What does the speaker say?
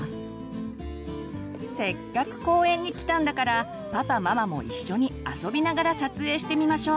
せっかく公園に来たんだからパパママも一緒に遊びながら撮影してみましょう。